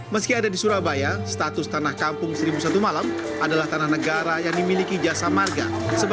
meski ada di surabaya status tanah kampung seribu satu malam adalah tanah negara yang dimiliki jasa marga